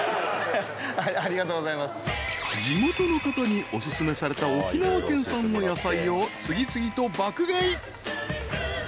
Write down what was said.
［地元の方にお薦めされた沖縄県産の野菜を次々と爆買い］